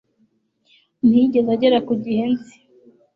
Ntiyigeze agera ku gihe nzi